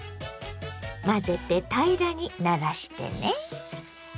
混ぜて平らにならしてね。